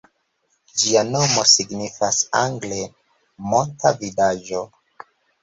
Ĝia nomo signifas angle "monta vidaĵo".